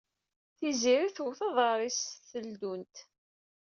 Tiziri twet aḍar-is s teldunt.